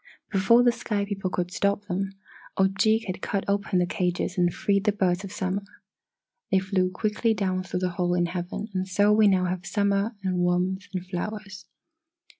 "Before the sky people could stop them, Ojeeg had cut open the cages and freed the Birds of Summer. They flew quickly down through the hole in heaven and so we now have summer and warmth and flowers.